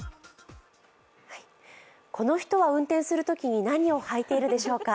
この人は運転するときに何を履いてるでしょうか。